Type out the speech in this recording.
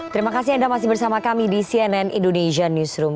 terima kasih anda masih bersama kami di cnn indonesia newsroom